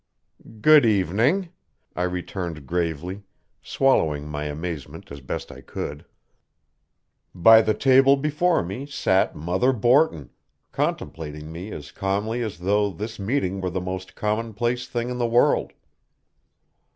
"Good evening," I returned gravely, swallowing my amazement as best I could. By the table before me sat Mother Borton, contemplating me as calmly as though this meeting were the most commonplace thing in the world.